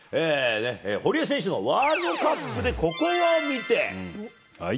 堀江選手のワールドカップでここを見て！